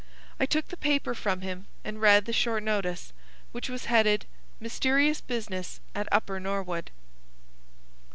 I took the paper from him and read the short notice, which was headed "Mysterious Business at Upper Norwood."